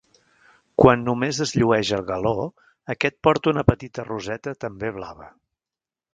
Quan només es llueix el galó, aquest porta una petita roseta també blava.